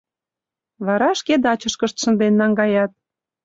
Вара шке дачышкышт шынден наҥгаят.